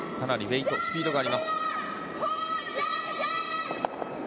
かなりウエイト、スピードがあります。